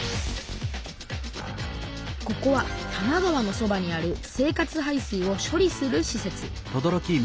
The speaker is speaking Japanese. ここは多摩川のそばにある生活排水を処理するしせつ。